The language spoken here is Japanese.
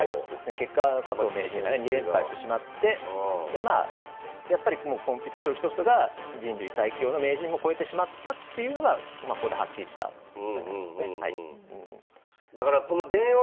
結果佐藤名人がね２連敗してしまってやっぱりコンピュータ将棋ソフトが人類最強の名人も超えてしまったというのがここではっきりしたということになりますね。